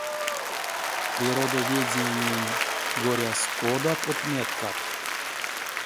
Природоведениянь коряс кодат отметкат?